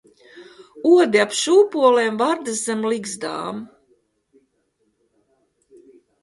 Odi ap šūpolēm, vardes zem ligzdām.